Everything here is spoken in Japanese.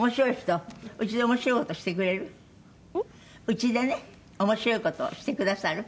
うちでね面白い事をしてくださる？